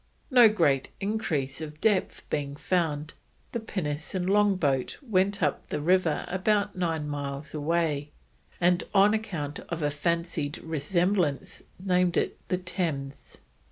No great increase of depth being found, the pinnace and long boat went up a river about 9 miles away, and on account of a fancied resemblance named it the Thames.